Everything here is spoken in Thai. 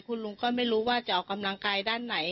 คุณลุงก็ไม่รู้ว่าจะออกกำลังกายด้านไหน